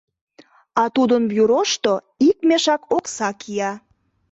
А тудын «Бюрошто» ик мешак окса кия.